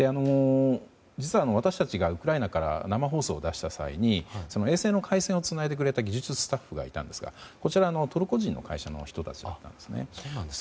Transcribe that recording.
実は、私たちがウクライナから生放送を出した際に衛星の回線をつないでくれた技術スタッフがいたんですがこちらトルコ人の会社の人たちだったんですね。